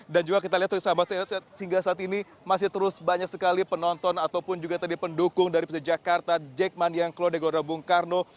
dan juga kita lihat sahabat sahabat hingga saat ini masih terus banyak sekali penonton ataupun juga tadi pendukung dari persija jakarta jackman yang keluar dari gelora bung karno